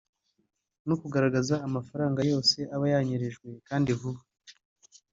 no kugaruza amafaranga yose aba yanyerejwe kandi vuba